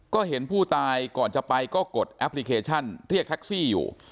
ก็เห็นผู้ตายก่อนจะไปก็กดแอปพลิเคชันเรียกแท็กซี่อยู่